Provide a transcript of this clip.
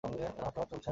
হাঁটুটা আর চলছে না।